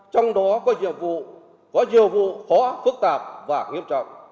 trong đó có nhiều vụ có nhiều vụ khó phức tạp và nghiệp